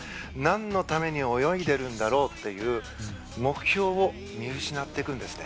なんのために泳いでるんだろうという目標を見失っていくんですね。